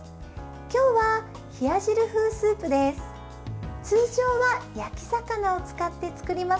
今日は冷や汁風スープです。